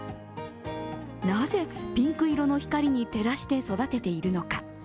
なぜピンク色の光に照らして育てているのか。